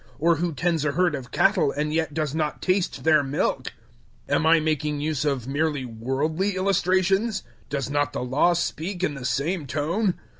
Or who tends a herd of cattle and yet does not taste their milk? 009:008 Am I making use of merely worldly illustrations? Does not the Law speak in the same tone?